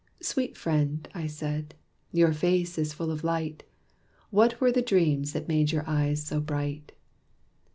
"Sweet friend," I said, "your face is full of light: What were the dreams that made your eyes so bright?"